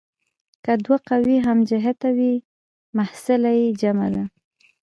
که دوه قوې هم جهته وي محصله یې جمع ده.